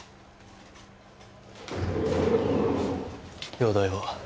容体は？